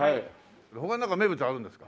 他になんか名物はあるんですか？